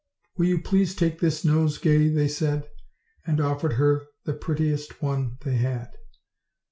"Will you please take this nosegay?" they said, and offered her the prettiest one they had.